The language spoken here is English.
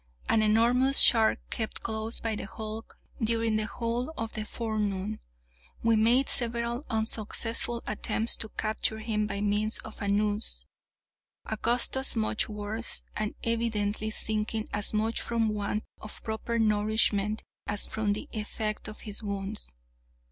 An enormous shark kept close by the hulk during the whole of the forenoon. We made several unsuccessful attempts to capture him by means of a noose. Augustus much worse, and evidently sinking as much from want of proper nourishment as from the effect of his wounds.